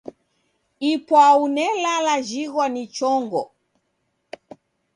Ipwau nelala jighwa ni chongo.